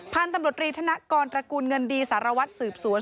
พันธุ์ตำรวจรีธนกรตระกูลเงินดีสารวัตรสืบสวน